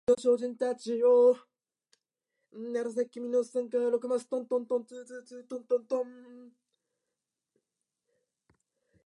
新装版になったら挿絵が大幅に削除されていてショックだった。